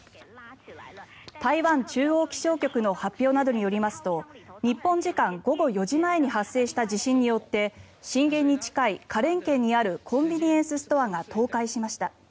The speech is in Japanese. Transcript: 台湾中央気象局の発表などによりますと日本時間午後４時前に発生した地震によって震源に近い花蓮県にあるコンビニエンスストアが倒壊しました。